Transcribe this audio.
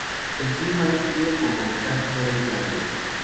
El clima es frío, como en casi toda Islandia.